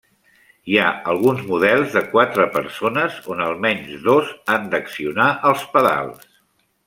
Hi ha alguns models de quatre persones on almenys dos han d'accionar els pedals.